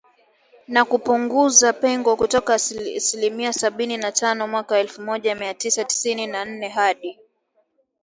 na kupunguza pengo kutoka asilimia sabini na tano mwaka elfu moja mia tisa tisini na nne hadi